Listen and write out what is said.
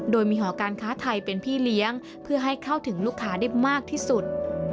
โดยมีหอการค้าไทยเป็นพี่เลี้ยงเพื่อให้เข้าถึงลูกค้าได้มากที่สุด